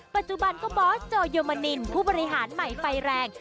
ปัจจุบันก็บอสโจโยมนินผู้บริหารใหม่ไฟแรง